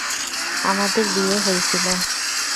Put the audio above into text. আমাদের বিয়ে, হইছিলো।